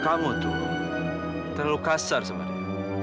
kamu tuh terlalu kasar sebenarnya